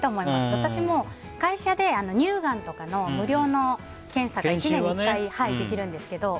私も会社で乳がんとかの無料の検査をやったりできるんですけど。